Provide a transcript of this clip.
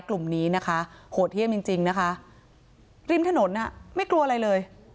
กลุ่มนี้นะคะโหดเยี่ยมจริงจริงนะคะริมถนนอ่ะไม่กลัวอะไรเลย